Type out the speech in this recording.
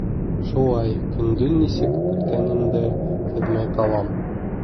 Шулай, көндөң нисек үткәнен дә һиҙмәй ҡалам.